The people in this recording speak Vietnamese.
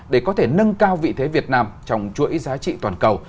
để có thể nâng cao vị thế việt nam trong chuỗi giá trị toàn cầu